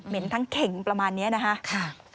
เหม็นทั้งเข่งประมาณนี้นะฮะ